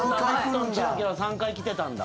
３回来てたんだ？